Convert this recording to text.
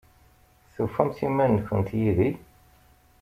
Tufamt iman-nkent yid-i?